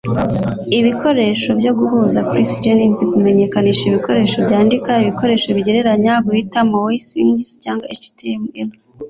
Ibikoresho byo Guhuza - Chris Jennings Kumenyekanisha ibikoresho byandika Ibikoresho bigereranya guhitamo WYSIWYG cyangwa HTML?